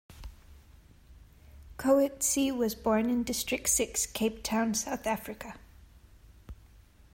Coetzee was born in District Six, Cape Town, South Africa.